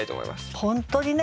本当にね